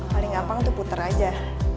paling gampang itu puter aja